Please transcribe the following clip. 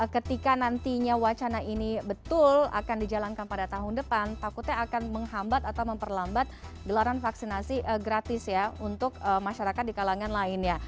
ketika nantinya wacana ini betul akan dijalankan pada tahun depan takutnya akan menghambat atau memperlambat gelaran vaksinasi gratis ya untuk masyarakat di kalangan lainnya